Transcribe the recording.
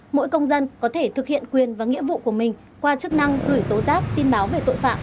mỗi công dân có thể thực hiện quyền và nghĩa vụ của mình qua chức năng gửi tố giác tin báo về tội phạm